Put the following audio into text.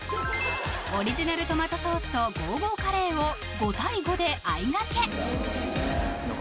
オリジナルトマトソースとゴーゴーカレーを５対５であいがけ